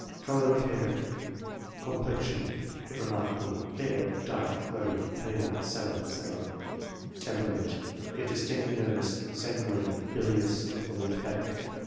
Colour of hair ? Complexion (if remark ably fair, dark, ruddy, pale, sallow, &c.)? Tempera ment, if distinctly nervous, sanguine, bilious, or lymphatic